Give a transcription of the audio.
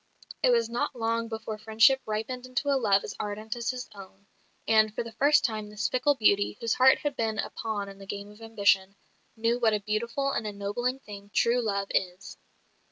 It was not long before friendship ripened into a love as ardent as his own; and for the first time this fickle beauty, whose heart had been a pawn in the game of ambition, knew what a beautiful and ennobling thing true love is.